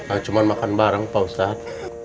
aku cuma makan bareng pak ustaz